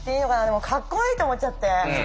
でもかっこいいと思っちゃって。